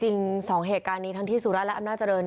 จริง๒เหตุการณ์นี้ทั้งที่สุราชและอำนาจริง